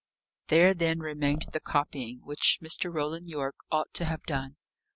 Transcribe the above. There then remained the copying, which Mr. Roland Yorke ought to have done.